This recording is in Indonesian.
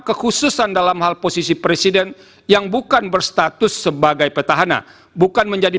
kekhususan dalam hal posisi presiden yang bukan berstatus sebagai petahana bukan menjadi